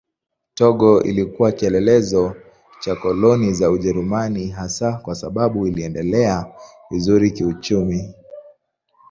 Togo ilikuwa kielelezo cha koloni za Ujerumani hasa kwa sababu iliendelea vizuri kiuchumi.